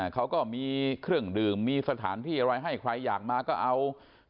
เขาก็มีเครื่องดื่มมีสถานที่อะไรให้ใครอยากมาก็เอา